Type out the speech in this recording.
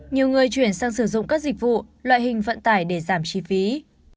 nhiều người chuyển sang sử dụng các dịch vụ loại hình vận tải để giảm chi phí